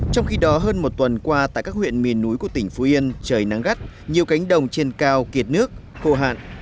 trong khi đó hơn một tuần qua tại các huyện miền núi của tỉnh phú yên trời nắng gắt nhiều cánh đồng trên cao kiệt nước khô hạn